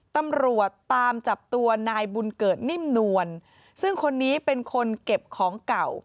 ตำรวจตามจับตัวนายบุญเกิดนิ่มนวลซึ่งคนนี้เป็นคนเก็บของเก่า